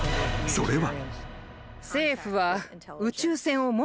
それは］